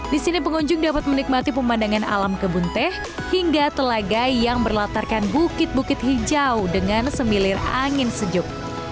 di sini pengunjung dapat menikmati pemandangan alam kebun teh hingga telaga yang berlatarkan bukit bukit hijau dengan semilir angin sejuk